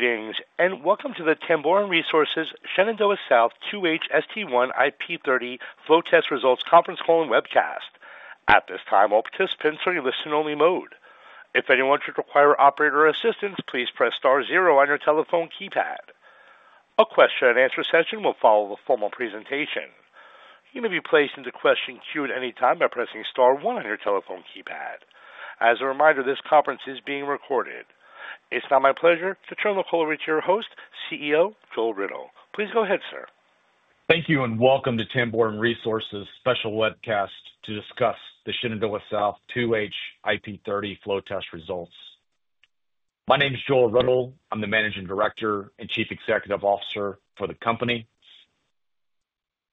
Greetings, and welcome to the Tamboran Resources Shenandoah South 2H ST1 IP30 Flow Test Results Conference Call and Webcast. At this time, all participants are in listen-only mode. If anyone should require operator assistance, please press star zero on your telephone keypad. A question-and-answer session will follow the formal presentation. You may be placed into question queue at any time by pressing star one on your telephone keypad. As a reminder, this conference is being recorded. It's now my pleasure to turn the call over to your host, CEO Joel Riddle. Please go ahead, sir. Thank you, and welcome to Tamboran Resources' special webcast to discuss the Shenandoah South 2H IP30 Flow Test Results. My name is Joel Riddle. I'm the Managing Director and Chief Executive Officer for the company.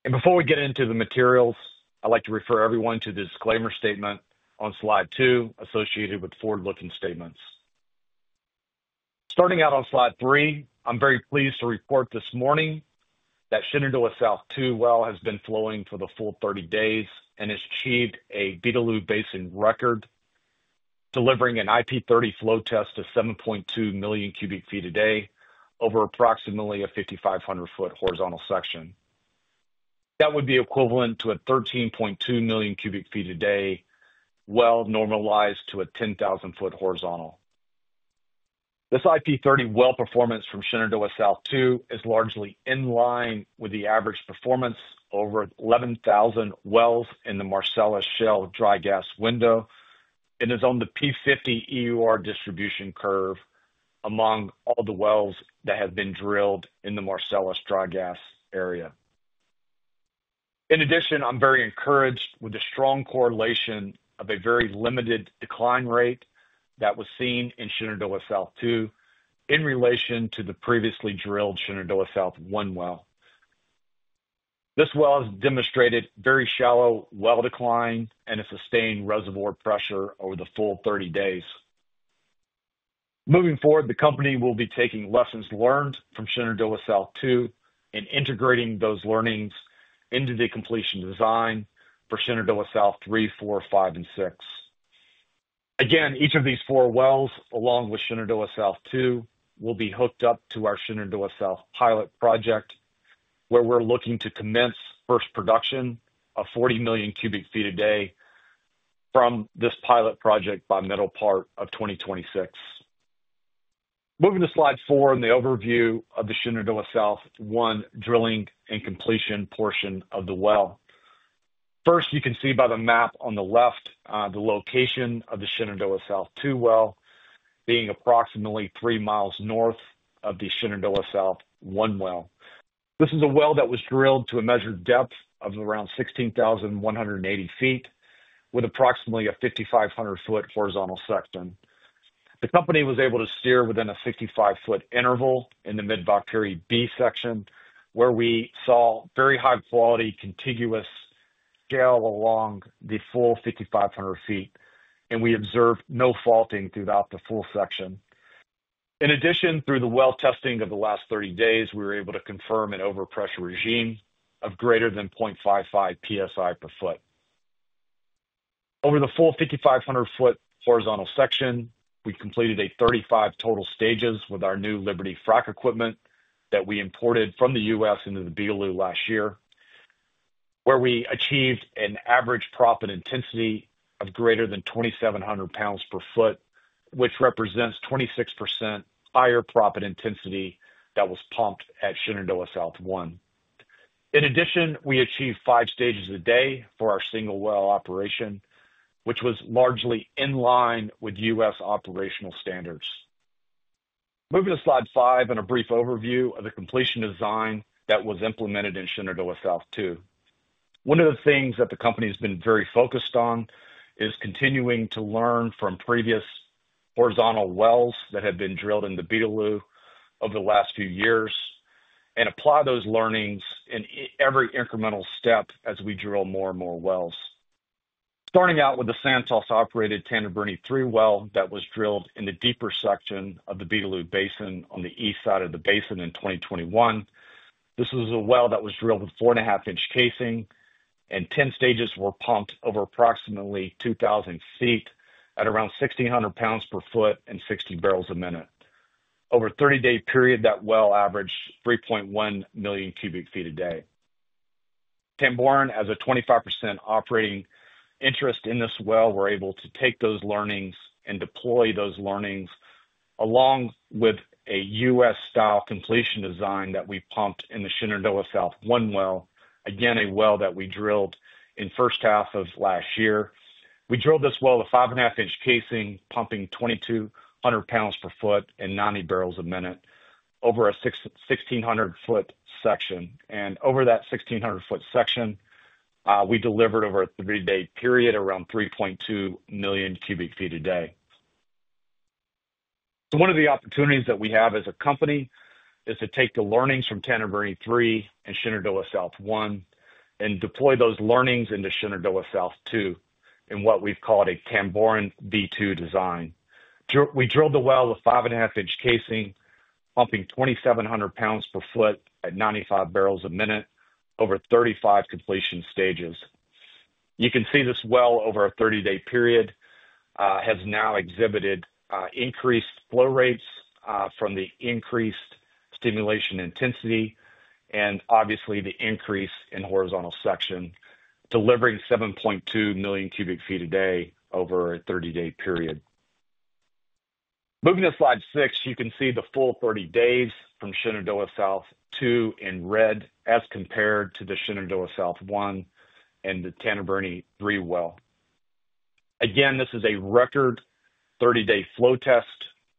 Before we get into the materials, I'd like to refer everyone to the disclaimer statement on slide two associated with forward-looking statements. Starting out on slide three, I'm very pleased to report this morning that Shenandoah South 2 well has been flowing for the full 30 days and has achieved a Beetaloo Basin record, delivering an IP30 flow test of 7.2 million cu ft a day over approximately a 5,500-ft horizontal section. That would be equivalent to a 13.2 million cu ft a day well normalized to a 10,000-ft horizontal. This IP30 well performance from Shenandoah South 2 is largely in line with the average performance over 11,000 wells in the Marcellus Shale dry gas window and is on the P50 EUR distribution curve among all the wells that have been drilled in the Marcellus dry gas area. In addition, I'm very encouraged with the strong correlation of a very limited decline rate that was seen in Shenandoah South 2 in relation to the previously drilled Shenandoah South 1 well. This well has demonstrated very shallow well decline and a sustained reservoir pressure over the full 30 days. Moving forward, the company will be taking lessons learned from Shenandoah South 2 and integrating those learnings into the completion design for Shenandoah South 3, 4, 5, and 6. Again, each of these four wells, along with Shenandoah South 2, will be hooked up to our Shenandoah South Pilot Project, where we're looking to commence first production of 40 million cu ft a day from this pilot project by middle part of 2026. Moving to slide four in the overview of the Shenandoah South 1 drilling and completion portion of the well. First, you can see by the map on the left the location of the Shenandoah South 2 well being approximately three mi north of the Shenandoah South 1 well. This is a well that was drilled to a measured depth of around 16,180 ft with approximately a 5,500-ft horizontal section. The company was able to steer within a 55-ft interval in the Mid Velkerri B section, where we saw very high-quality contiguous scale along the full 5,500 ft, and we observed no faulting throughout the full section. In addition, through the well testing of the last 30 days, we were able to confirm an overpressure regime of greater than 0.55 PSI per ft. Over the full 5,500-ft horizontal section, we completed a total of 35 stages with our new Liberty frac equipment that we imported from the U.S. into the Beetaloo last year, where we achieved an average proppant intensity of greater than 2,700 lbs per ft, which represents 26% higher proppant intensity than was pumped at Shenandoah South 1. In addition, we achieved five stages a day for our single well operation, which was largely in line with U.S. operational standards. Moving to slide five and a brief overview of the completion design that was implemented in Shenandoah South 2. One of the things that the company has been very focused on is continuing to learn from previous horizontal wells that have been drilled in the Beetaloo over the last few years and apply those learnings in every incremental step as we drill more and more wells. Starting out with the Santos-operated Tanumbirini 3 well that was drilled in the deeper section of the Beetaloo Basin on the east side of the basin in 2021. This was a well that was drilled with four-and-a-half in casing, and 10 stages were pumped over approximately 2,000 ft at around 1,600 lbs per ft and 60 barrels a minute. Over a 30-day period, that well averaged 3.1 million cu ft a day. Tamboran, as a 25% operating interest in this well, were able to take those learnings and deploy those learnings along with a U.S.-style completion design that we pumped in the Shenandoah South 1 well, again, a well that we drilled in the first half of last year. We drilled this well with a five-and-a-half in casing, pumping 2,200 lbs per ft and 90 barrels a minute over a 1,600-ft section. Over that 1,600-ft section, we delivered over a 30-day period around 3.2 million cu ft a day. One of the opportunities that we have as a company is to take the learnings from Tanumbirini 3 and Shenandoah South 1 and deploy those learnings into Shenandoah South 2 in what we've called a Tamboran v2 design. We drilled the well with a five-and-a-half in casing, pumping 2,700 lbs per ft at 95 barrels a minute over 35 completion stages. You can see this well over a 30-day period has now exhibited increased flow rates from the increased stimulation intensity and, obviously, the increase in horizontal section, delivering 7.2 million cu ft a day over a 30-day period. Moving to slide six, you can see the full 30 days from Shenandoah South 2 in red as compared to the Shenandoah South 1 and the Tanumbirini 3 well. Again, this is a record 30-day flow test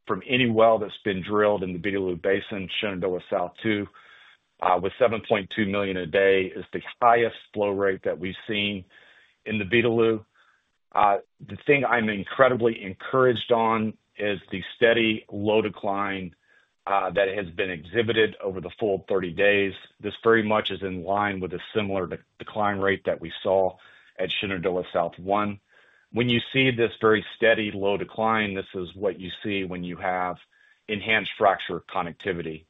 from any well that's been drilled in the Beetaloo Basin, Shenandoah South 2, with 7.2 million cu ft a day is the highest flow rate that we've seen in the Beetaloo. The thing I'm incredibly encouraged on is the steady low decline that has been exhibited over the full 30 days. This very much is in line with a similar decline rate that we saw at Shenandoah South 1. When you see this very steady low decline, this is what you see when you have enhanced fracture connectivity.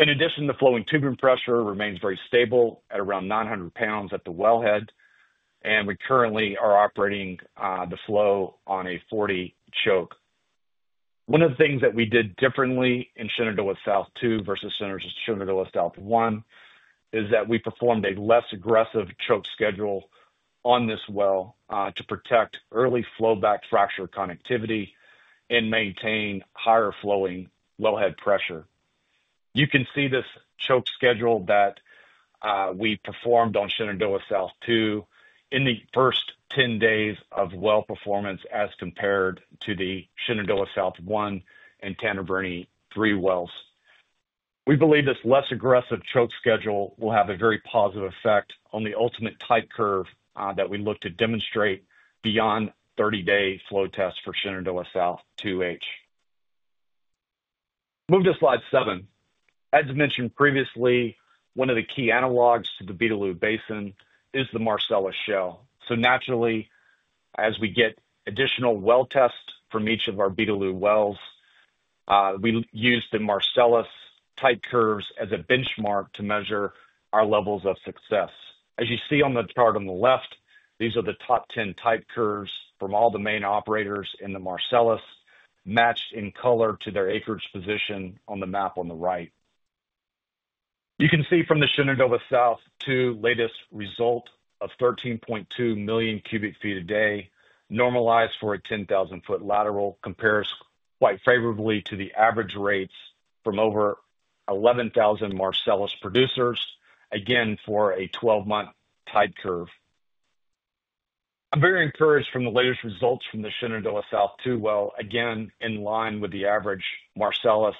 In addition, the flowing tubing pressure remains very stable at around 900 pounds at the wellhead, and we currently are operating the flow on a 40 choke. One of the things that we did differently in Shenandoah South 2 versus Shenandoah South 1 is that we performed a less aggressive choke schedule on this well to protect early flow-back fracture connectivity and maintain higher flowing wellhead pressure. You can see this choke schedule that we performed on Shenandoah South 2 in the first 10 days of well performance as compared to the Shenandoah South 1 and Tanumbirini 3 wells. We believe this less aggressive choke schedule will have a very positive effect on the ultimate type curve that we look to demonstrate beyond the 30-day flow test for Shenandoah South 2H. Moving to slide seven. As mentioned previously, one of the key analogs to the Beetaloo Basin is the Marcellus Shale. Naturally, as we get additional well tests from each of our Beetaloo wells, we use the Marcellus type curves as a benchmark to measure our levels of success. As you see on the chart on the left, these are the top 10 type curves from all the main operators in the Marcellus, matched in color to their acreage position on the map on the right. You can see from the Shenandoah South 2 latest result of 13.2 million cu ft a day normalized for a 10,000-ft lateral compares quite favorably to the average rates from over 11,000 Marcellus producers, again, for a 12-month type curve. I'm very encouraged from the latest results from the Shenandoah South 2 well, again, in line with the average Marcellus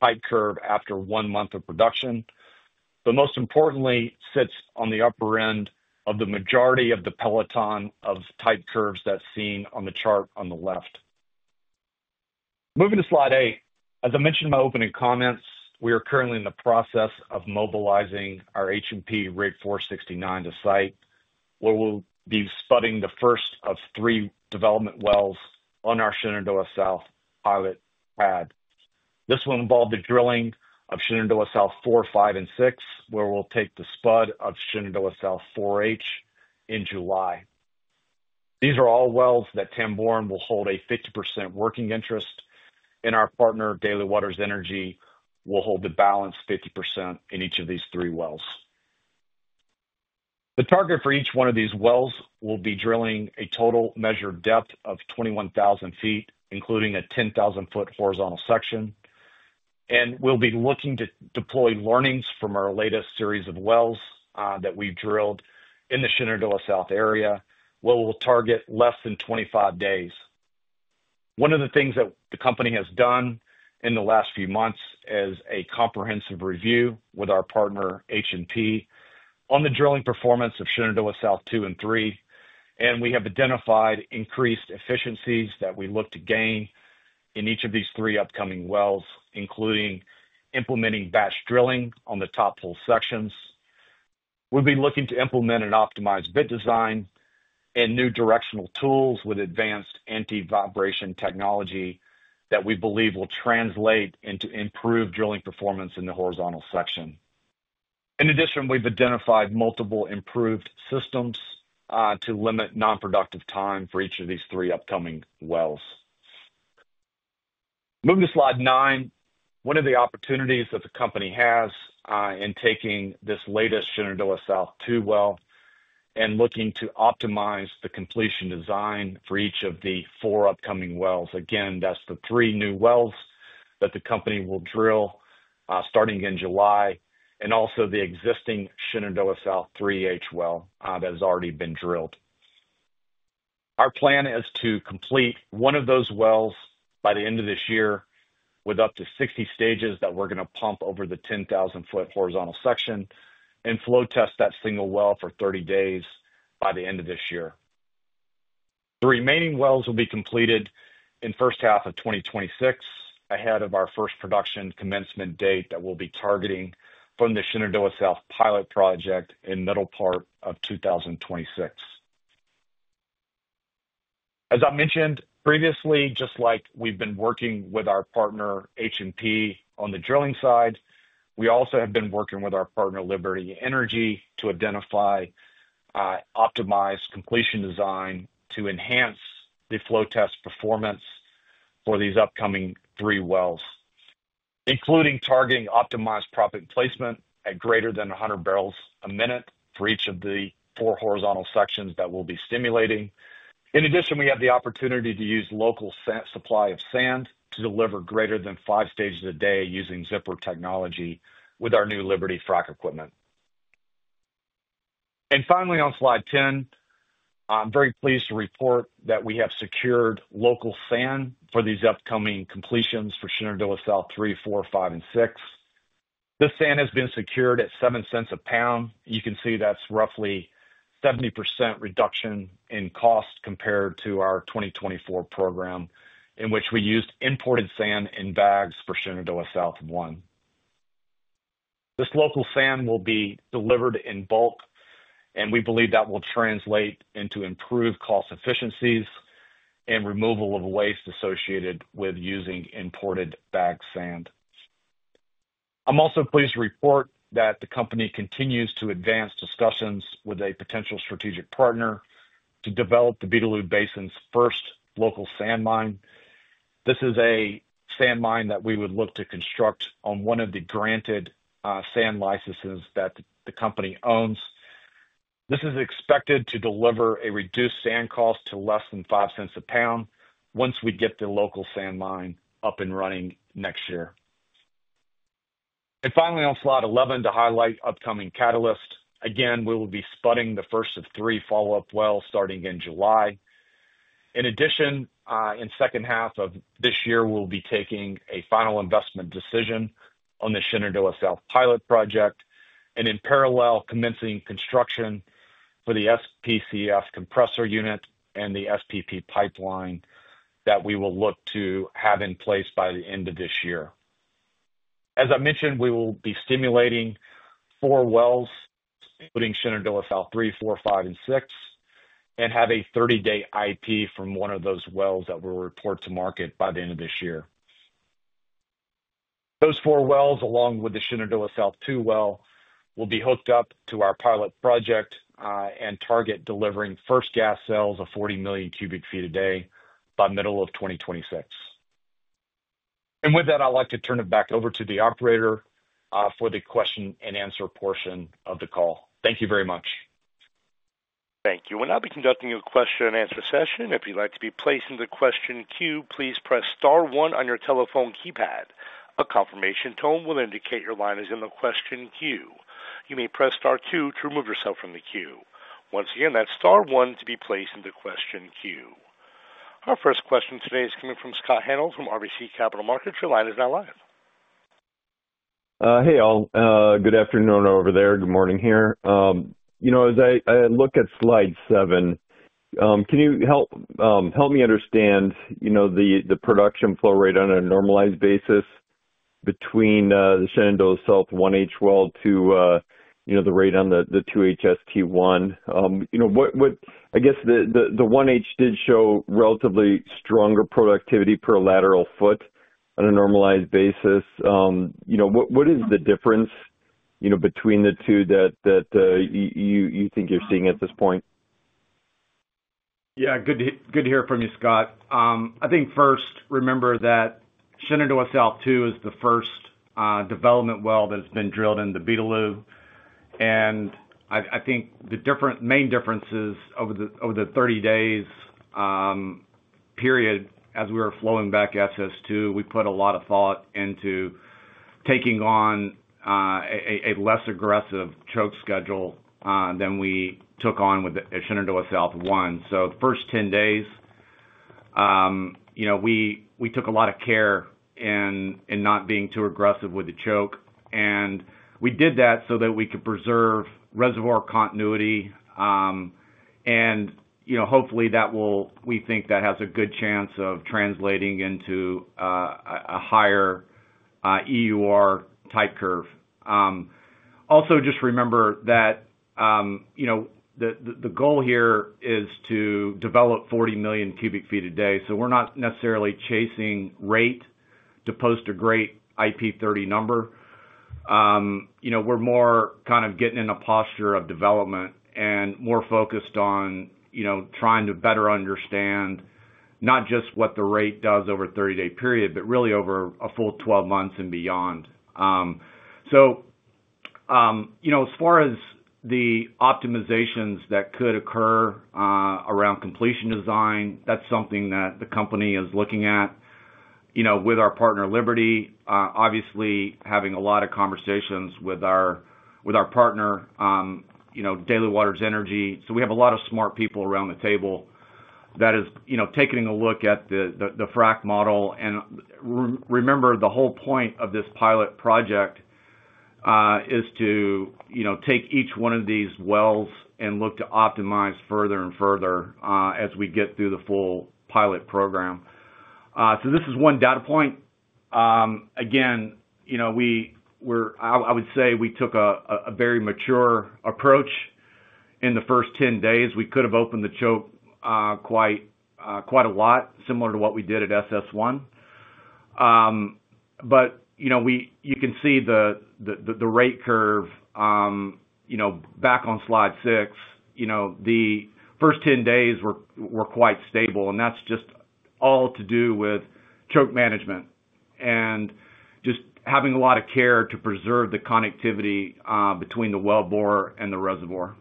type curve after one month of production, but most importantly, sits on the upper end of the majority of the peloton of type curves that's seen on the chart on the left. Moving to slide eight. As I mentioned in my opening comments, we are currently in the process of mobilizing our H&P Rig 469 to site, where we'll be spudding the first of three development wells on our Shenandoah South pilot pad. This will involve the drilling of Shenandoah South 4, 5, and 6, where we'll take the spud of Shenandoah South 4H in July. These are all wells that Tamboran will hold a 50% working interest, and our partner, Daly Waters Energy, will hold the balance 50% in each of these three wells. The target for each one of these wells will be drilling a total measured depth of 21,000 ft, including a 10,000 ft horizontal section, and we'll be looking to deploy learnings from our latest series of wells that we've drilled in the Shenandoah South area, where we'll target less than 25 days. One of the things that the company has done in the last few months is a comprehensive review with our partner, H&P, on the drilling performance of Shenandoah South 2 and 3, and we have identified increased efficiencies that we look to gain in each of these three upcoming wells, including implementing batch drilling on the top hole sections. We will be looking to implement an optimized bit design and new directional tools with advanced anti-vibration technology that we believe will translate into improved drilling performance in the horizontal section. In addition, we have identified multiple improved systems to limit non-productive time for each of these three upcoming wells. Moving to slide nine, one of the opportunities that the company has in taking this latest Shenandoah South 2 well and looking to optimize the completion design for each of the four upcoming wells. Again, that's the three new wells that the company will drill starting in July and also the existing Shenandoah South 3H well that has already been drilled. Our plan is to complete one of those wells by the end of this year with up to 60 stages that we're going to pump over the 10,000-ft horizontal section and flow test that single well for 30 days by the end of this year. The remaining wells will be completed in the first half of 2026 ahead of our first production commencement date that we'll be targeting from the Shenandoah South pilot project in the middle part of 2026. As I mentioned previously, just like we've been working with our partner, H&P, on the drilling side, we also have been working with our partner, Liberty Energy, to identify optimized completion design to enhance the flow test performance for these upcoming three wells, including targeting optimized proppant placement at greater than 100 barrels a minute for each of the four horizontal sections that we'll be stimulating. In addition, we have the opportunity to use local supply of sand to deliver greater than five stages a day using Zipper technology with our new Liberty frac equipment. Finally, on slide 10, I'm very pleased to report that we have secured local sand for these upcoming completions for Shenandoah South 3, 4, 5, and 6. The sand has been secured at $0.07 a pound. You can see that's roughly 70% reduction in cost compared to our 2024 program in which we used imported sand in bags for Shenandoah South 1. This local sand will be delivered in bulk, and we believe that will translate into improved cost efficiencies and removal of waste associated with using imported bagged sand. I'm also pleased to report that the company continues to advance discussions with a potential strategic partner to develop the Beetaloo Basin's first local sand mine. This is a sand mine that we would look to construct on one of the granted sand licenses that the company owns. This is expected to deliver a reduced sand cost to less than $0.05 a pound once we get the local sand mine up and running next year. Finally, on slide 11, to highlight upcoming catalyst, again, we will be sputting the first of three follow-up wells starting in July. In addition, in the second half of this year, we'll be taking a final investment decision on the Shenandoah South Pilot Project and, in parallel, commencing construction for the SPCF compressor unit and the SPP pipeline that we will look to have in place by the end of this year. As I mentioned, we will be stimulating four wells, including Shenandoah South 3, 4, 5, and 6, and have a 30-day IP from one of those wells that we'll report to market by the end of this year. Those four wells, along with the Shenandoah South 2 well, will be hooked up to our pilot project and target delivering first gas sales of 40 million cu ft a day by middle of 2026. With that, I'd like to turn it back over to the operator for the question and answer portion of the call. Thank you very much. Thank you. We'll now be conducting a question and answer session. If you'd like to be placed in the question queue, please press star one on your telephone keypad. A confirmation tone will indicate your line is in the question queue. You may press star two to remove yourself from the queue. Once again, that's star one to be placed in the question queue. Our first question today is coming from Scott Hanold from RBC Capital Markets. Your line is now live. Hey, all. Good afternoon over there. Good morning here. As I look at slide seven, can you help me understand the production flow rate on a normalized basis between the Shenandoah South 1H well to the rate on the 2H ST1? I guess the 1H did show relatively stronger productivity per lateral foot on a normalized basis. What is the difference between the two that you think you're seeing at this point? Yeah, good to hear from you, Scott. I think first, remember that Shenandoah South 2 is the first development well that has been drilled in the Beetaloo. I think the main differences over the 30-day period, as we were flowing back SS2, we put a lot of thought into taking on a less aggressive choke schedule than we took on with the Shenandoah South 1. The first 10 days, we took a lot of care in not being too aggressive with the choke. We did that so that we could preserve reservoir continuity. Hopefully, we think that has a good chance of translating into a higher EUR type curve. Also, just remember that the goal here is to develop 40 million cu ft a day. We are not necessarily chasing rate to post a great IP30 number. We are more kind of getting in a posture of development and more focused on trying to better understand not just what the rate does over a 30-day period, but really over a full 12 months and beyond. As far as the optimizations that could occur around completion design, that is something that the company is looking at with our partner, Liberty, obviously having a lot of conversations with our partner, Daly Waters Energy. We have a lot of smart people around the table that are taking a look at the Frac model. Remember, the whole point of this pilot project is to take each one of these wells and look to optimize further and further as we get through the full pilot program. This is one data point. Again, I would say we took a very mature approach in the first 10 days. We could have opened the choke quite a lot, similar to what we did at SS1. You can see the rate curve back on slide six. The first 10 days were quite stable, and that is just all to do with choke management and just having a lot of care to preserve the connectivity between the wellbore and the reservoir.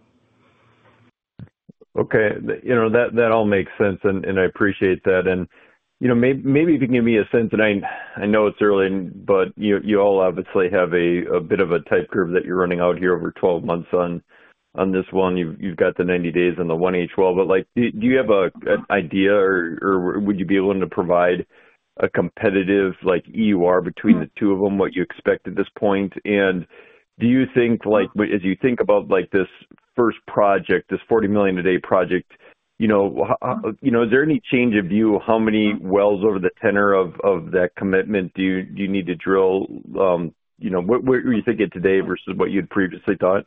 Okay. That all makes sense, and I appreciate that. Maybe you can give me a sense that I know it's early, but you all obviously have a bit of a tight curve that you're running out here over 12 months on this one. You've got the 90 days on the 1H well. Do you have an idea, or would you be willing to provide a competitive EUR between the two of them, what you expect at this point? As you think about this first project, this 40 million cu ft a day project, is there any change of view? How many wells over the tenor of that commitment do you need to drill? What are you thinking today versus what you'd previously thought?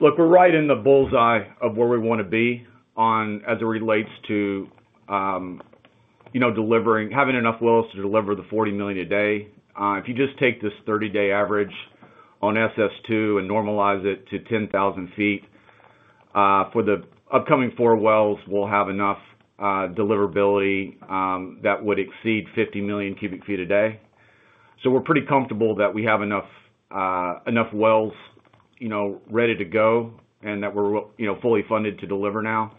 Look, we're right in the bull's eye of where we want to be as it relates to having enough wells to deliver the 40 million cu ft a day. If you just take this 30-day average on SS2 and normalize it to 10,000 ft, for the upcoming four wells, we'll have enough deliverability that would exceed 50 million cu ft a day. We're pretty comfortable that we have enough wells ready to go and that we're fully funded to deliver now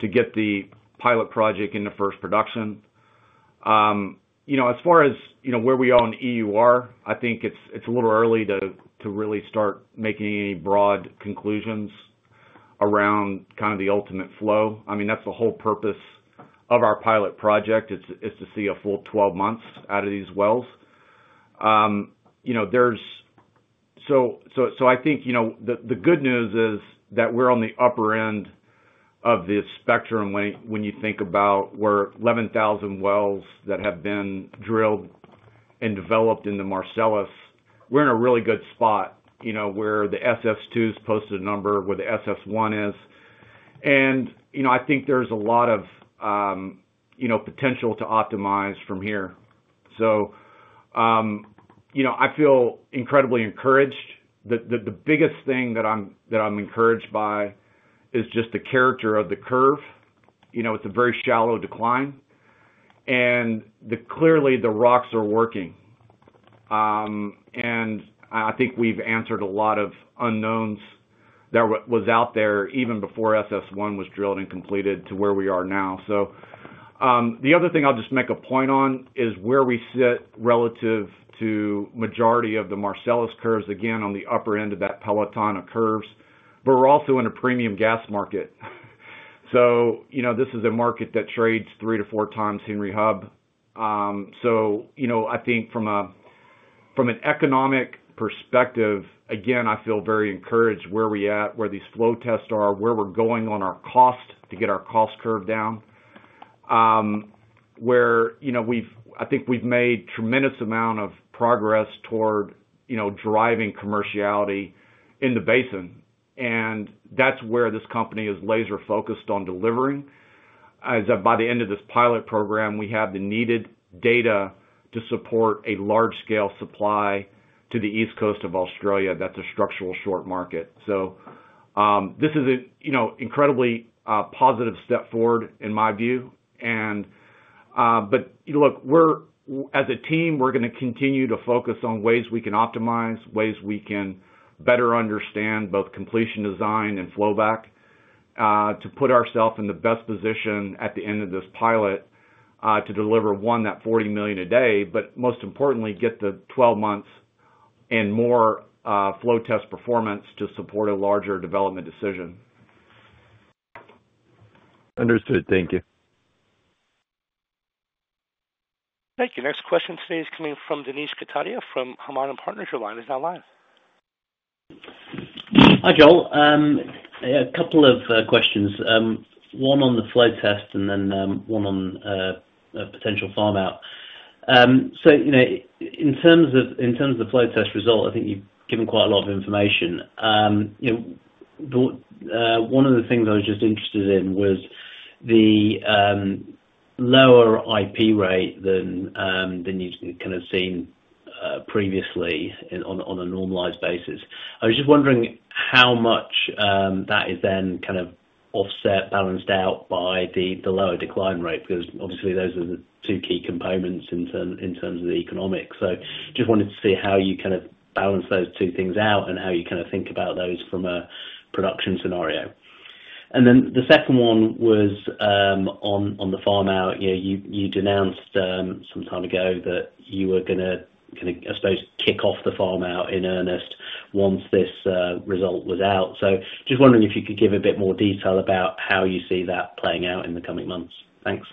to get the pilot project in the first production. As far as where we are on EUR, I think it's a little early to really start making any broad conclusions around kind of the ultimate flow. I mean, that's the whole purpose of our pilot project, is to see a full 12 months out of these wells. I think the good news is that we're on the upper end of the spectrum when you think about we're 11,000 wells that have been drilled and developed in the Marcellus. We're in a really good spot where the SS2 has posted a number, where the SS1 is. I think there's a lot of potential to optimize from here. I feel incredibly encouraged. The biggest thing that I'm encouraged by is just the character of the curve. It's a very shallow decline, and clearly, the rocks are working. I think we've answered a lot of unknowns that was out there even before SS1 was drilled and completed to where we are now. The other thing I'll just make a point on is where we sit relative to the majority of the Marcellus curves, again, on the upper end of that peloton of curves, but we're also in a premium gas market. This is a market that trades three to four times Henry Hub. I think from an economic perspective, again, I feel very encouraged where we're at, where these flow tests are, where we're going on our cost to get our cost curve down, where I think we've made a tremendous amount of progress toward driving commerciality in the basin. That's where this company is laser-focused on delivering, is that by the end of this pilot program, we have the needed data to support a large-scale supply to the East Coast of Australia that's a structural short market. This is an incredibly positive step forward, in my view. Look, as a team, we're going to continue to focus on ways we can optimize, ways we can better understand both completion design and flowback to put ourselves in the best position at the end of this pilot to deliver, one, that 40 million cu ft a day, but most importantly, get the 12 months and more flow test performance to support a larger development decision. Understood. Thank you. Thank you. Next question today is coming from Anish Kapadia from Hannam & Partners line. Is now live. Hi, Joel. A couple of questions. One on the flow test and then one on potential farm out. In terms of the flow test result, I think you've given quite a lot of information. One of the things I was just interested in was the lower IP rate than you've kind of seen previously on a normalized basis. I was just wondering how much that is then kind of offset, balanced out by the lower decline rate, because obviously, those are the two key components in terms of the economics. I just wanted to see how you kind of balance those two things out and how you kind of think about those from a production scenario. The second one was on the farm out. You announced some time ago that you were going to, I suppose, kick off the farm out in earnest once this result was out. I am just wondering if you could give a bit more detail about how you see that playing out in the coming months. Thanks.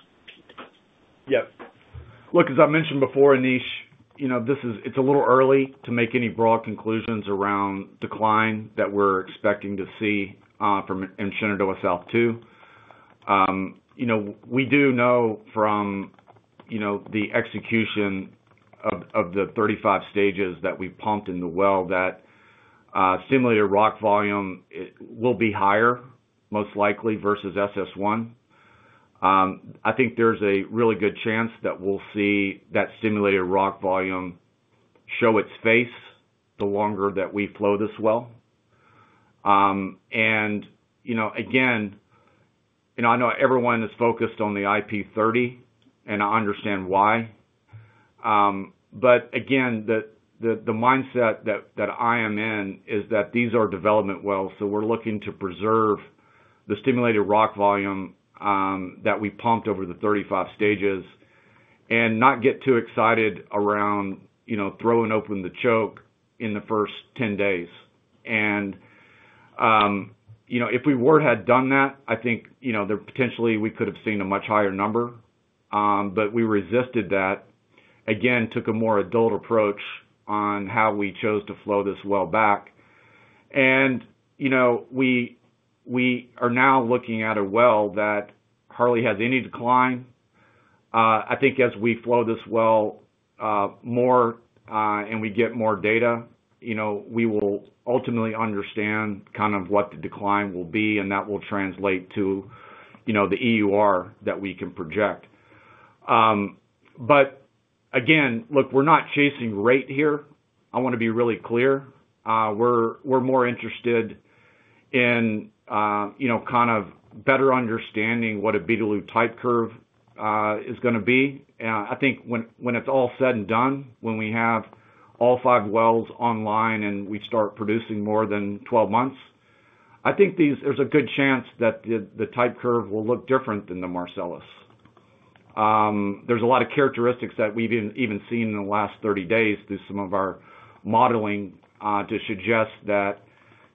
Yep. Look, as I mentioned before, Anish, it is a little early to make any broad conclusions around decline that we are expecting to see from Shenandoah South 2. We do know from the execution of the 35 stages that we've pumped in the well that stimulated rock volume will be higher, most likely, versus SS1. I think there's a really good chance that we'll see that stimulated rock volume show its face the longer that we flow this well. Again, I know everyone is focused on the IP30, and I understand why. Again, the mindset that I am in is that these are development wells, so we're looking to preserve the stimulated rock volume that we pumped over the 35 stages and not get too excited around throwing open the choke in the first 10 days. If we were to have done that, I think potentially we could have seen a much higher number, but we resisted that. Again, took a more adult approach on how we chose to flow this well back. We are now looking at a well that hardly has any decline. I think as we flow this well more and we get more data, we will ultimately understand kind of what the decline will be, and that will translate to the EUR that we can project. Again, look, we're not chasing rate here. I want to be really clear. We're more interested in kind of better understanding what a type curve is going to be. I think when it's all said and done, when we have all five wells online and we start producing more than 12 months, I think there's a good chance that the type curve will look different than the Marcellus. There's a lot of characteristics that we've even seen in the last 30 days through some of our modeling to suggest that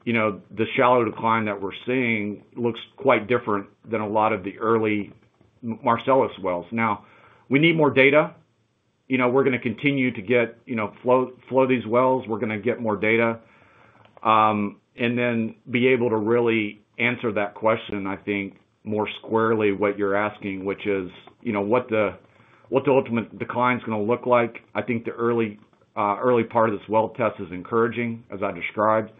the shallow decline that we're seeing looks quite different than a lot of the early Marcellus wells. Now, we need more data. We're going to continue to flow these wells. We're going to get more data. And then be able to really answer that question, I think, more squarely what you're asking, which is what the ultimate decline is going to look like. I think the early part of this well test is encouraging, as I described.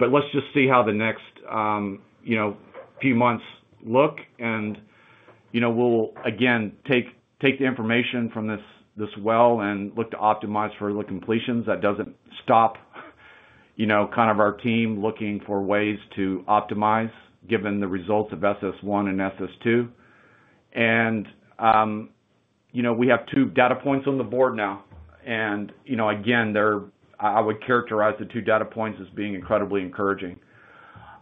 Let's just see how the next few months look. We'll, again, take the information from this well and look to optimize for the completions. That doesn't stop kind of our team looking for ways to optimize given the results of SS1 and SS2. We have two data points on the board now. I would characterize the two data points as being incredibly encouraging.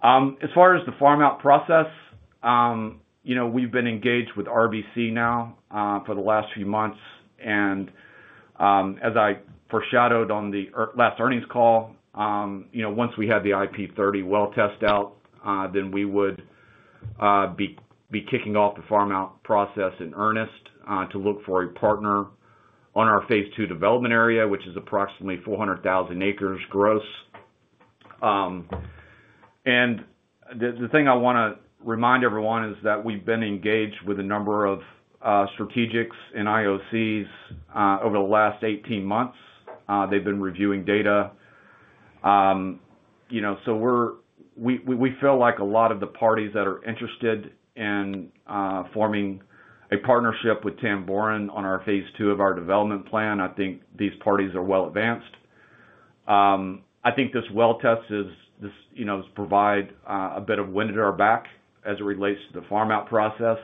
As far as the farm out process, we've been engaged with RBC now for the last few months. As I foreshadowed on the last earnings call, once we had the IP30 well test out, we would be kicking off the farm out process in earnest to look for a partner on our phase two development area, which is approximately 400,000 acres gross. The thing I want to remind everyone is that we've been engaged with a number of strategics and IOCs over the last 18 months. They've been reviewing data. We feel like a lot of the parties that are interested in forming a partnership with Tamboran on phase two of our development plan, I think these parties are well advanced. I think this well test provides a bit of wind at our back as it relates to the farm out process.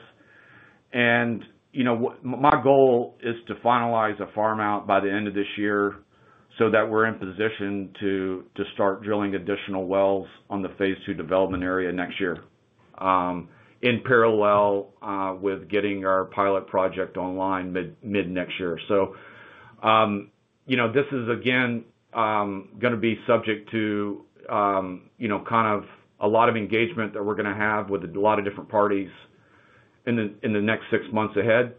My goal is to finalize a farm out by the end of this year so that we're in position to start drilling additional wells on the phase two development area next year in parallel with getting our pilot project online mid-next year. This is, again, going to be subject to kind of a lot of engagement that we're going to have with a lot of different parties in the next six months ahead.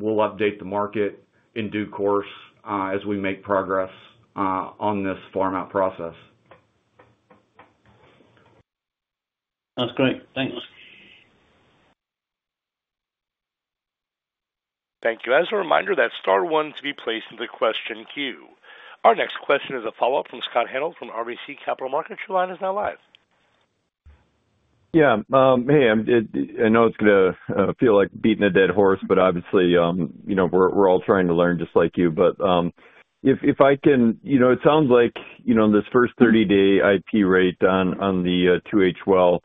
We'll update the market in due course as we make progress on this farm out process. Sounds great. Thanks. Thank you. As a reminder, that star one is to be placed in the question queue. Our next question is a follow-up from Scott Hanold from RBC Capital Markets. Rewind is now live. Yeah. Hey, I know it's going to feel like beating a dead horse, but obviously, we're all trying to learn just like you. If I can, it sounds like this first 30-day IP rate on the 2H well,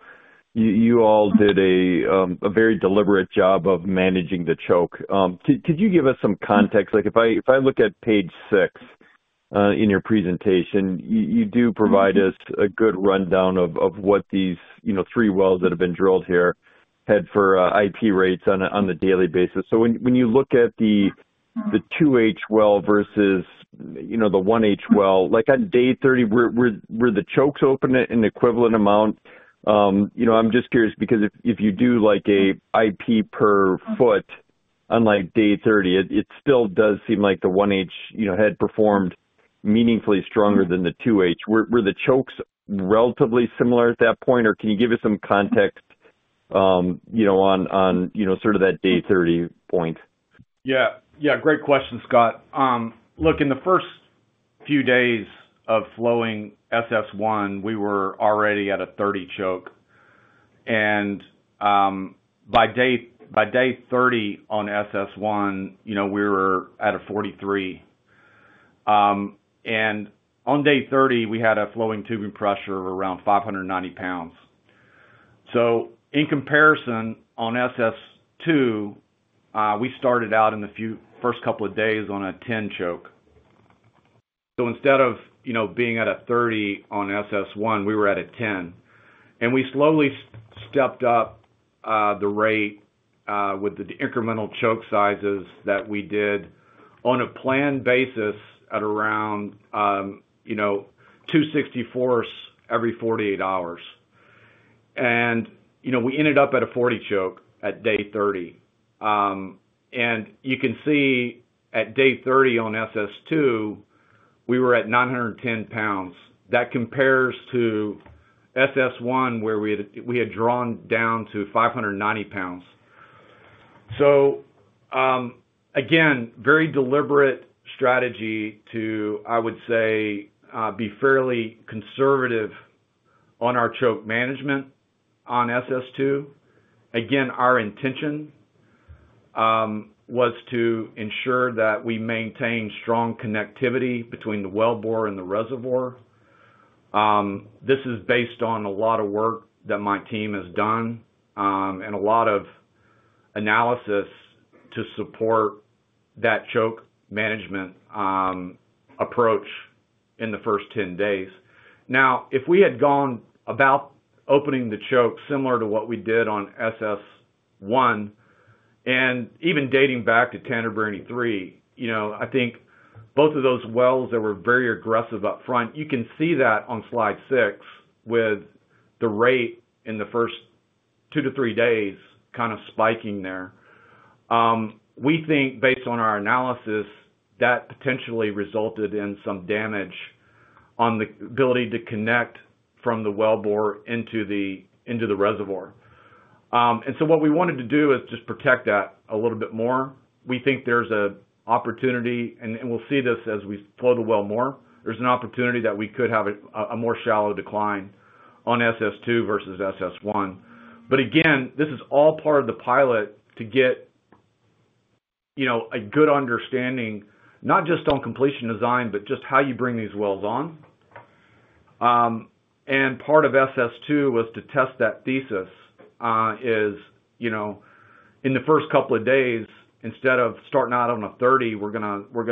you all did a very deliberate job of managing the choke. Could you give us some context? If I look at page six in your presentation, you do provide us a good rundown of what these three wells that have been drilled here had for IP rates on a daily basis. When you look at the 2H well versus the 1H well, on day 30, were the chokes open in equivalent amount? I'm just curious because if you do an IP per ft on day 30, it still does seem like the 1H had performed meaningfully stronger than the 2H. Were the chokes relatively similar at that point? Or can you give us some context on sort of that day 30 point? Yeah. Yeah. Great question, Scott. Look, in the first few days of flowing SS1, we were already at a 30 choke. By day 30 on SS1, we were at a 43. On day 30, we had a flowing tubing pressure of around 590 lbs. In comparison, on SS2, we started out in the first couple of days on a 10 choke. Instead of being at a 30 on SS1, we were at a 10. We slowly stepped up the rate with the incremental choke sizes that we did on a planned basis at around 260 force every 48 hours. We ended up at a 40 choke at day 30. You can see at day 30 on SS2, we were at 910 lbs. That compares to SS1, where we had drawn down to 590 lbs. Again, very deliberate strategy to, I would say, be fairly conservative on our choke management on SS2. Again, our intention was to ensure that we maintain strong connectivity between the wellbore and the reservoir. This is based on a lot of work that my team has done and a lot of analysis to support that choke management approach in the first 10 days. Now, if we had gone about opening the choke similar to what we did on SS1 and even dating back to Tanumbirini 3, I think both of those wells that were very aggressive upfront, you can see that on slide six with the rate in the first two to three days kind of spiking there. We think, based on our analysis, that potentially resulted in some damage on the ability to connect from the wellbore into the reservoir. What we wanted to do is just protect that a little bit more. We think there's an opportunity, and we'll see this as we flow the well more. There's an opportunity that we could have a more shallow decline on SS2 versus SS1. Again, this is all part of the pilot to get a good understanding, not just on completion design, but just how you bring these wells on. Part of SS2 was to test that thesis is in the first couple of days, instead of starting out on a 30, we're going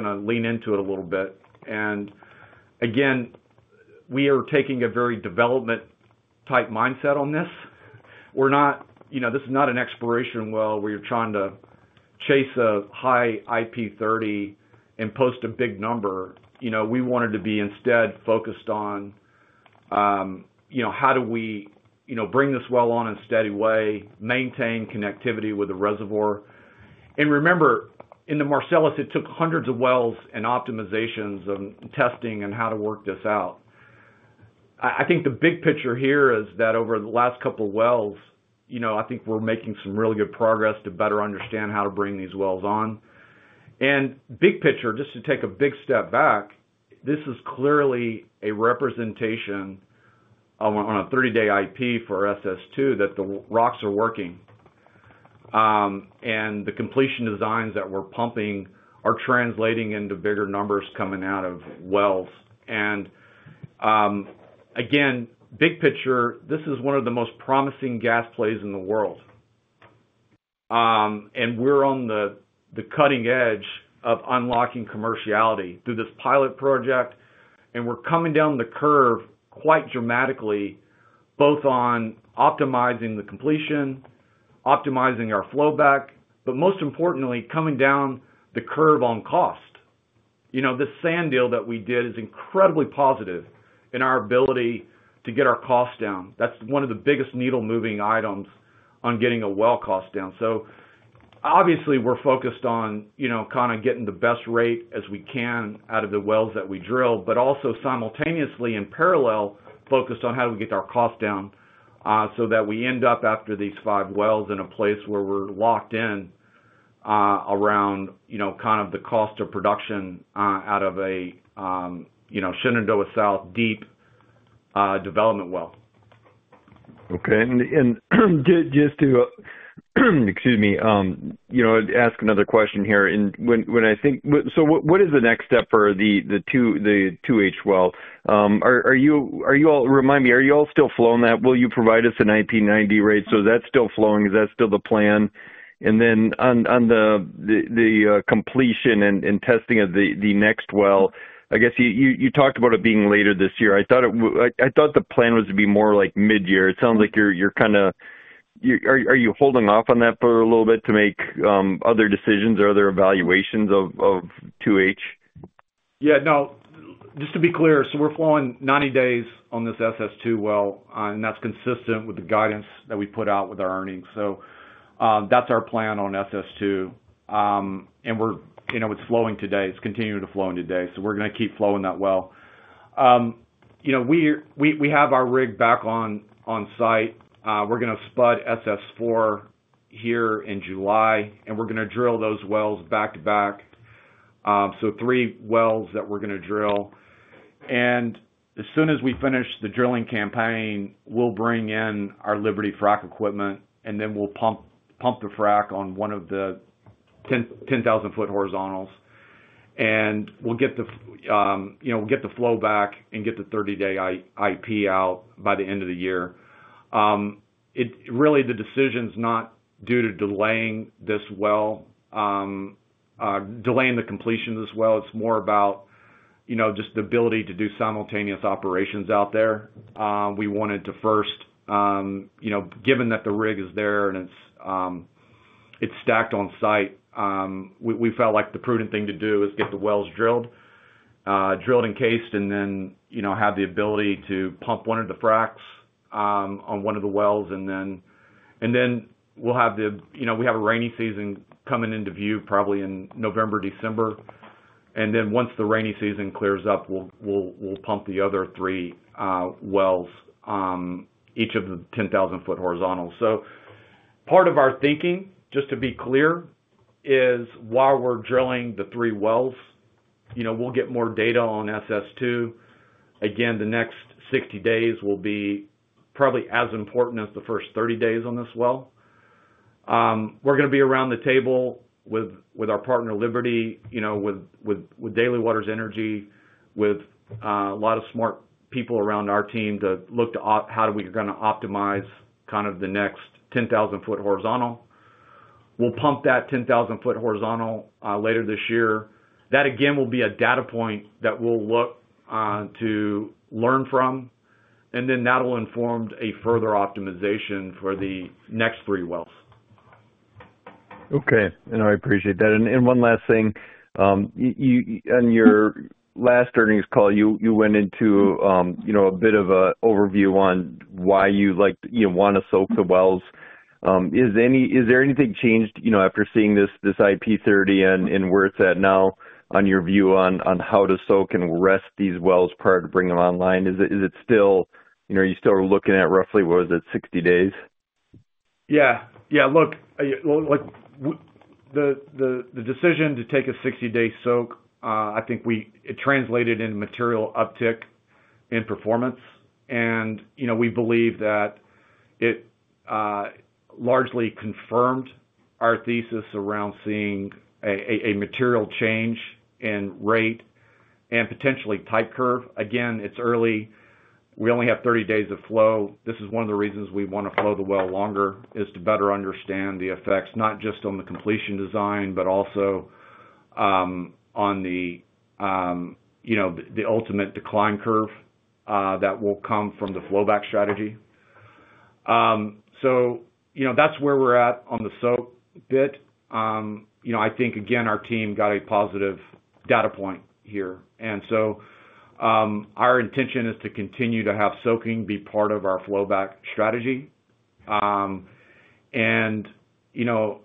to lean into it a little bit. Again, we are taking a very development-type mindset on this. This is not an exploration well where you're trying to chase a high IP30 and post a big number. We wanted to be instead focused on how do we bring this well on a steady way, maintain connectivity with the reservoir. And remember, in the Marcellus, it took hundreds of wells and optimizations and testing and how to work this out. I think the big picture here is that over the last couple of wells, I think we're making some really good progress to better understand how to bring these wells on. And big picture, just to take a big step back, this is clearly a representation on a 30-day IP for SS2 that the rocks are working. And the completion designs that we're pumping are translating into bigger numbers coming out of wells. And again, big picture, this is one of the most promising gas plays in the world. We are on the cutting edge of unlocking commerciality through this pilot project. We are coming down the curve quite dramatically, both on optimizing the completion, optimizing our flow back, but most importantly, coming down the curve on cost. This sand deal that we did is incredibly positive in our ability to get our cost down. That is one of the biggest needle-moving items on getting a well cost down. Obviously, we are focused on kind of getting the best rate as we can out of the wells that we drill, but also simultaneously in parallel focused on how do we get our cost down so that we end up after these five wells in a place where we are locked in around kind of the cost of production out of a Shenandoah South deep development well. Okay. Just to, excuse me, ask another question here. When I think, what is the next step for the 2H well? Are you all, remind me, are you all still flowing that? Will you provide us an IP90 rate? Is that still flowing? Is that still the plan? On the completion and testing of the next well, I guess you talked about it being later this year. I thought the plan was to be more like mid-year. It sounds like you're kind of, are you holding off on that for a little bit to make other decisions or other evaluations of 2H? Yeah. No, just to be clear, we're flowing 90 days on this SS2 well, and that's consistent with the guidance that we put out with our earnings. That's our plan on SS2. It's flowing today. It's continuing to flow today. We're going to keep flowing that well. We have our rig back on site. We're going to spud SS4 here in July, and we're going to drill those wells back to back. Three wells that we're going to drill. As soon as we finish the drilling campaign, we'll bring in our Liberty frac equipment, and then we'll pump the frac on one of the 10,000-ft horizontals. We'll get the flow back and get the 30-day IP out by the end of the year. Really, the decision's not due to delaying this well, delaying the completion of this well. It's more about just the ability to do simultaneous operations out there. We wanted to first, given that the rig is there and it's stacked on site, we felt like the prudent thing to do is get the wells drilled, drilled and cased, and then have the ability to pump one of the fracs on one of the wells. Then we have a rainy season coming into view probably in November, December. Once the rainy season clears up, we'll pump the other three wells, each of the 10,000-ft horizontals. Part of our thinking, just to be clear, is while we're drilling the three wells, we'll get more data on SS2. Again, the next 60 days will be probably as important as the first 30 days on this well. We're going to be around the table with our partner Liberty, with Daly Waters Energy, with a lot of smart people around our team to look to how we're going to optimize kind of the next 10,000-ft horizontal. We'll pump that 10,000-ft horizontal later this year. That, again, will be a data point that we'll look to learn from. That'll inform a further optimization for the next three wells. Okay. I appreciate that. One last thing. On your last earnings call, you went into a bit of an overview on why you want to soak the wells. Is there anything changed after seeing this IP30 and where it's at now on your view on how to soak and rest these wells prior to bringing them online? Is it still, are you still looking at roughly, what was it, 60 days? Yeah. Yeah. Look, the decision to take a 60-day soak, I think it translated in material uptick in performance. We believe that it largely confirmed our thesis around seeing a material change in rate and potentially type curve. Again, it's early. We only have 30 days of flow. This is one of the reasons we want to flow the well longer is to better understand the effects, not just on the completion design, but also on the ultimate decline curve that will come from the flowback strategy. That is where we're at on the soak bit. I think, again, our team got a positive data point here. Our intention is to continue to have soaking be part of our flowback strategy.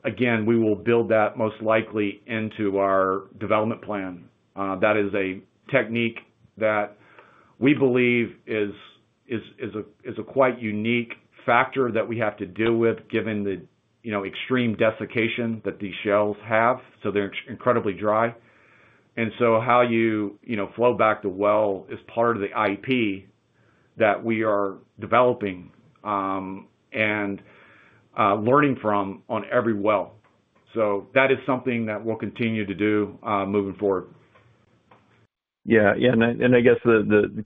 Again, we will build that most likely into our development plan. That is a technique that we believe is a quite unique factor that we have to deal with given the extreme desiccation that these shales have. They are incredibly dry. How you flow back the well is part of the IP that we are developing and learning from on every well. That is something that we will continue to do moving forward. Yeah. I guess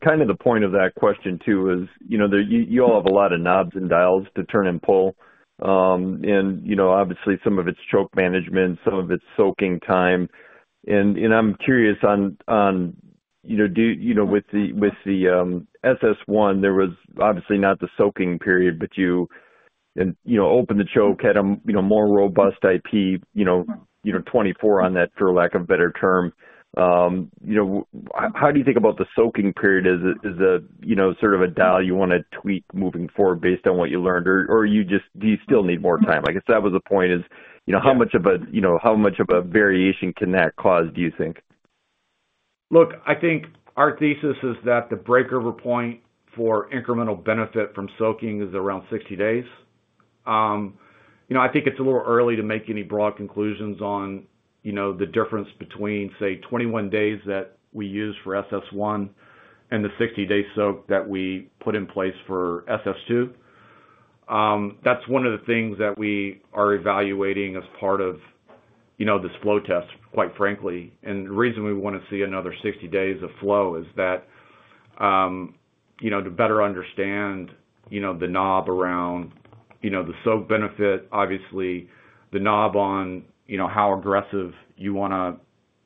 kind of the point of that question too is you all have a lot of knobs and dials to turn and pull. Obviously, some of it is choke management, some of it is soaking time. I am curious, with the SS1, there was obviously not the soaking period, but you opened the choke, had a more robust IP, 24 on that, for lack of a better term. How do you think about the soaking period? Is it sort of a dial you want to tweak moving forward based on what you learned? Or do you still need more time? I guess that was the point is how much of a variation can that cause, do you think? Look, I think our thesis is that the breakover point for incremental benefit from soaking is around 60 days. I think it's a little early to make any broad conclusions on the difference between, say, 21 days that we use for SS1 and the 60-day soak that we put in place for SS2. That's one of the things that we are evaluating as part of this flow test, quite frankly. The reason we want to see another 60 days of flow is to better understand the knob around the soak benefit. Obviously, the knob on how aggressive you want to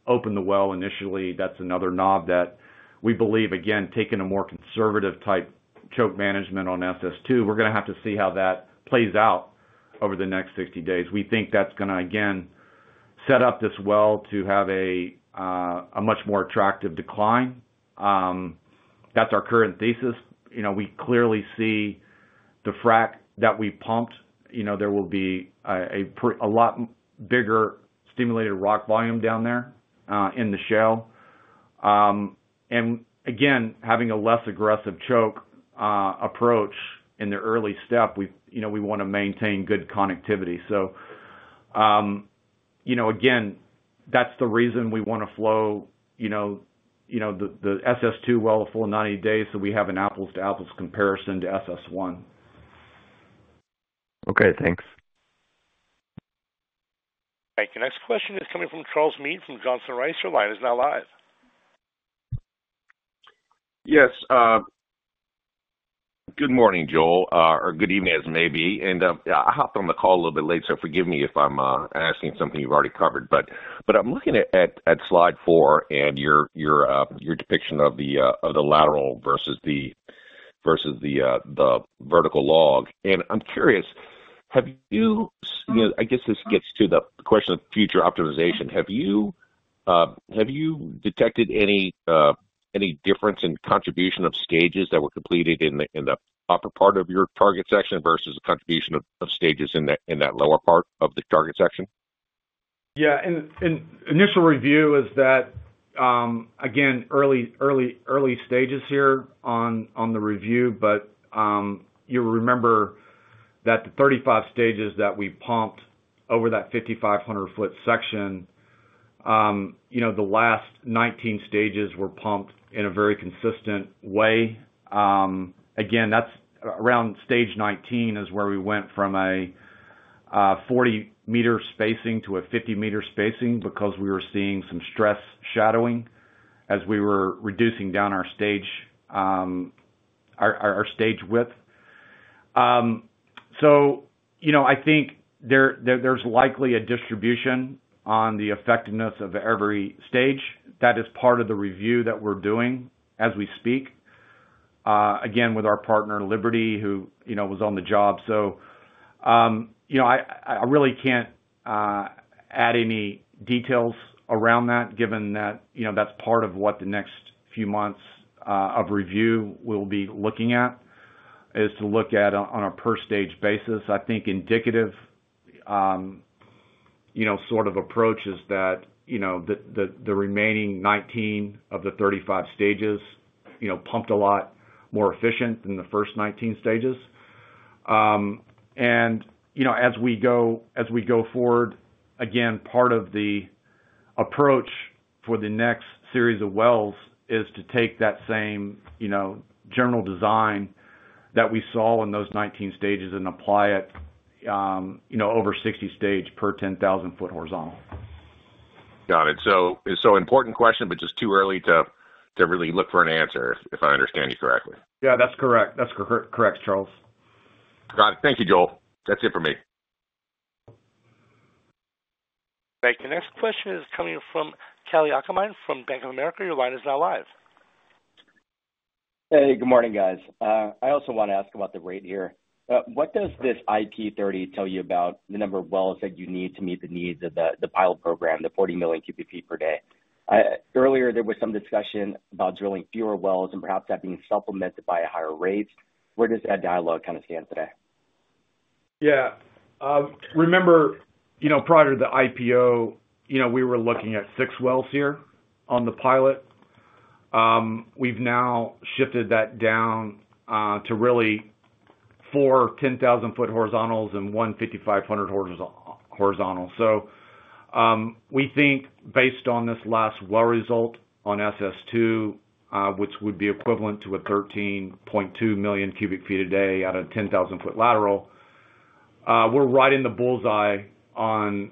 open the well initially, that's another knob that we believe, again, taking a more conservative type choke management on SS2, we're going to have to see how that plays out over the next 60 days. We think that's going to, again, set up this well to have a much more attractive decline. That's our current thesis. We clearly see the frac that we pumped, there will be a lot bigger stimulated rock volume down there in the shale. Again, having a less aggressive choke approach in the early step, we want to maintain good connectivity. Again, that's the reason we want to flow the SS2 well for 90 days so we have an apples-to-apples comparison to SS1. Okay. Thanks. All right. Your next question is coming from Charles Meade from Johnson Rice. He's now live. Yes. Good morning, Joel, or good evening as it may be. I hopped on the call a little bit late, so forgive me if I'm asking something you've already covered. I'm looking at slide four and your depiction of the lateral versus the vertical log. I'm curious, I guess this gets to the question of future optimization. Have you detected any difference in contribution of stages that were completed in the upper part of your target section versus the contribution of stages in that lower part of the target section? Yeah. Initial review is that, again, early stages here on the review, but you remember that the 35 stages that we pumped over that 5,500-ft section, the last 19 stages were pumped in a very consistent way. Around stage 19 is where we went from a 40-meter spacing to a 50-meter spacing because we were seeing some stress shadowing as we were reducing down our stage width. I think there is likely a distribution on the effectiveness of every stage. That is part of the review that we are doing as we speak, again, with our partner Liberty, who was on the job. I really cannot add any details around that, given that is part of what the next few months of review will be looking at, to look at on a per-stage basis. I think indicative sort of approach is that the remaining 19 of the 35 stages pumped a lot more efficient than the first 19 stages. As we go forward, again, part of the approach for the next series of wells is to take that same general design that we saw in those 19 stages and apply it over 60 stage per 10,000-ft horizontal. Got it. It is an important question, but just too early to really look for an answer, if I understand you correctly. Yeah, that is correct. That is correct, Charles. Got it. Thank you, Joel. That is it for me. All right. Your next question is coming from Kelley Ackerman from Bank of America. Your line is now live. Hey, good morning, guys. I also want to ask about the rate here. What does this IP30 tell you about the number of wells that you need to meet the needs of the pilot program, the 40 million cu ft per day? Earlier, there was some discussion about drilling fewer wells and perhaps having supplemented by a higher rate. Where does that dialogue kind of stand today? Yeah. Remember, prior to the IPO, we were looking at six wells here on the pilot. We've now shifted that down to really four 10,000-ft horizontals and one 5,500-ft horizontal. So we think based on this last well result on SS2, which would be equivalent to a 13.2 million cu ft a day out of 10,000-ft lateral, we're right in the bull's eye on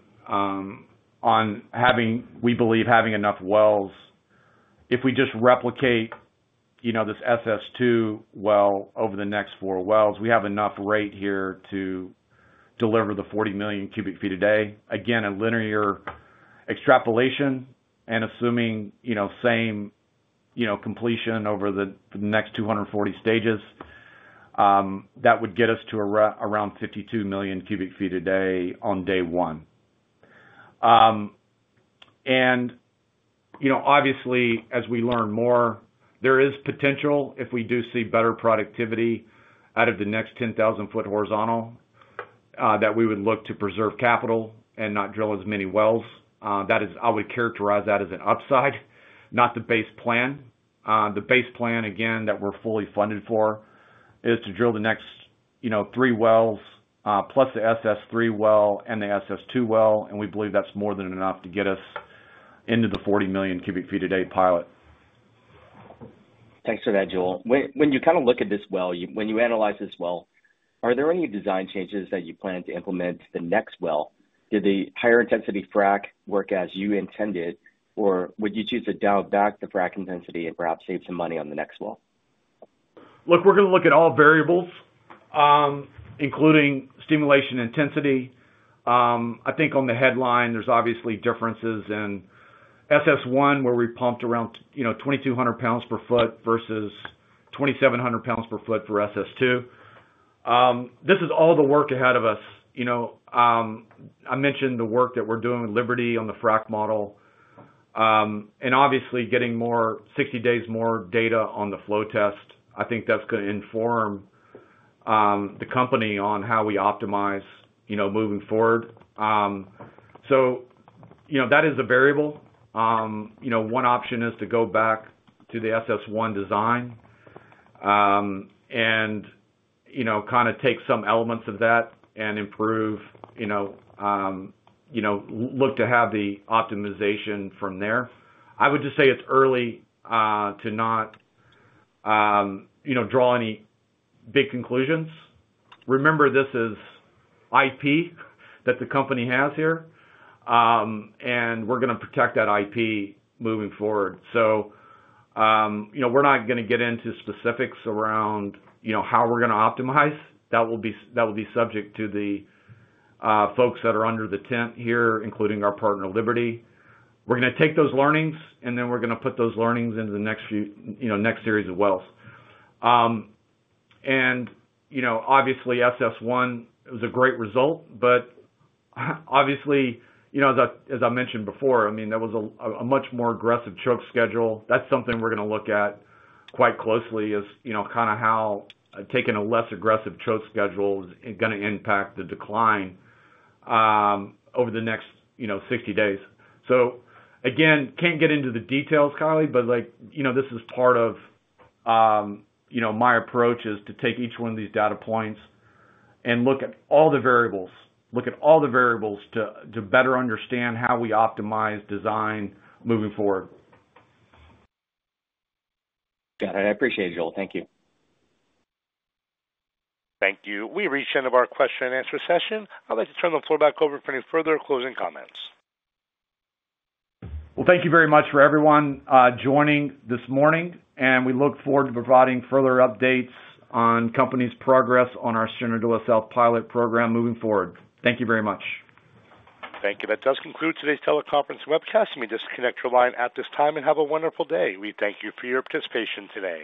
having, we believe, having enough wells. If we just replicate this SS2 well over the next four wells, we have enough rate here to deliver the 40 million cu ft a day. Again, a linear extrapolation and assuming same completion over the next 240 stages, that would get us to around 52 million cu ft a day on day one. Obviously, as we learn more, there is potential if we do see better productivity out of the next 10,000-ft horizontal that we would look to preserve capital and not drill as many wells. That is, I would characterize that as an upside, not the base plan. The base plan, again, that we're fully funded for is to drill the next three wells plus the SS3 well and the SS2 well. We believe that's more than enough to get us into the 40 million cu ft a day pilot. Thanks for that, Joel. When you kind of look at this well, when you analyze this well, are there any design changes that you plan to implement the next well? Did the higher intensity frac work as you intended, or would you choose to dial back the frac intensity and perhaps save some money on the next well? Look, we're going to look at all variables, including stimulation intensity. I think on the headline, there's obviously differences in SS1, where we pumped around 2,200 lbs per ft versus 2,700 lbs per ft for SS2. This is all the work ahead of us. I mentioned the work that we're doing with Liberty on the frac model and obviously getting 60 days more data on the flow test. I think that's going to inform the company on how we optimize moving forward. That is a variable. One option is to go back to the SS1 design and kind of take some elements of that and improve, look to have the optimization from there. I would just say it's early to not draw any big conclusions. Remember, this is IP that the company has here, and we're going to protect that IP moving forward. We're not going to get into specifics around how we're going to optimize. That will be subject to the folks that are under the tent here, including our partner Liberty. We're going to take those learnings, and then we're going to put those learnings into the next series of wells. Obviously, SS1, it was a great result, but obviously, as I mentioned before, I mean, there was a much more aggressive choke schedule. That's something we're going to look at quite closely as kind of how taking a less aggressive choke schedule is going to impact the decline over the next 60 days. Again, can't get into the details, Kylie, but this is part of my approach is to take each one of these data points and look at all the variables, look at all the variables to better understand how we optimize design moving forward. Got it. I appreciate it, Joel. Thank you. Thank you. We reached the end of our question and answer session. I'd like to turn the floor back over for any further closing comments. Thank you very much for everyone joining this morning, and we look forward to providing further updates on company's progress on our standard OSL pilot program moving forward. Thank you very much. Thank you. That does conclude today's teleconference webcast. Let me disconnect your line at this time and have a wonderful day. We thank you for your participation today.